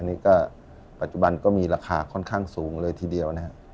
นี่ก็ปัจจุบันก็มีราคาค่อนข้างสูงเลยทีเดียวนะฮะ